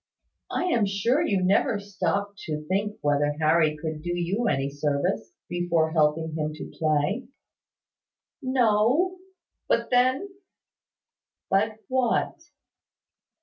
I am sure you never stopped to think whether Harry could do you any service, before helping him to play." "No; but then " "But what?"